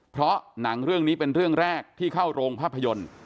เพราะหนังเรื่องนี้เป็นเรื่องแรกที่เข้าโรงภาพยนตร์